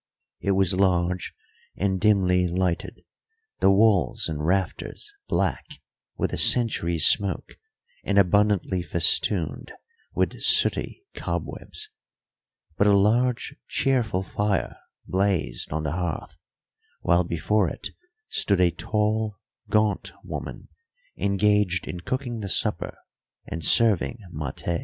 It was large and dimly lighted, the walls and rafters black with a century's smoke and abundantly festooned with sooty cobwebs; but a large, cheerful fire blazed on the hearth, while before it stood a tall, gaunt woman engaged in cooking the supper and serving maté.